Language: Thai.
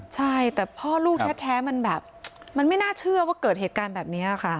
ใช่แต่พ่อลูกแท้มันแบบมันไม่น่าเชื่อว่าเกิดเหตุการณ์แบบนี้ค่ะ